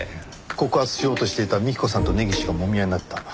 告発しようとしていた幹子さんと根岸がもみ合いになった。